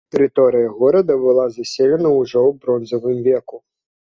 Тэрыторыя горада была заселена ўжо ў бронзавым веку.